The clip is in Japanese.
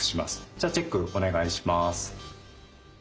じゃあチェックお願いします。